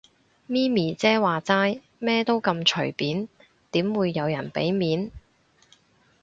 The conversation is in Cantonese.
咪咪姐話齋，咩都咁隨便，點會有人俾面